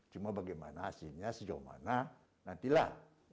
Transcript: cuma bagaimana hasilnya sejauh mana nantilah